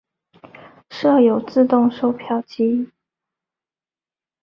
设有自动售票机。